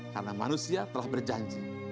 karena manusia telah berjanji